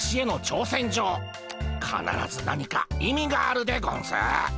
かならず何か意味があるでゴンス。